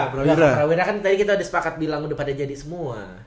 kalau tadi kita udah sepakat bilang udah pada jadi semua